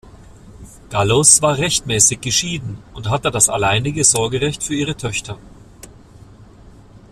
Gallus war rechtmäßig geschieden und hatte das alleinige Sorgerecht für ihre Töchter.